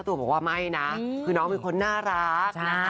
ผมว่าไม่นะคือน้องมีคนน่ารัก